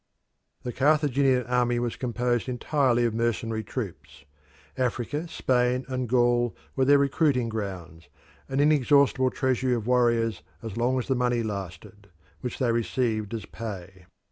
The Carthaginian army was composed entirely of mercenary troops. Africa, Spain and Gaul were their recruiting grounds, an inexhaustible treasury of warriors as long as the money lasted which they received as pay.